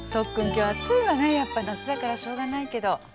今日暑いわねやっぱり夏だからしょうがないけど。